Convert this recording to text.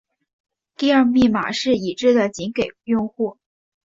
第二密码是已知的仅给用户。